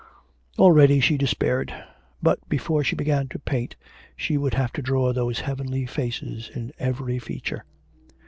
Already she despaired. But before she began to paint she would have to draw those heavenly faces in every feature.